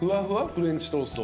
フレンチトーストは。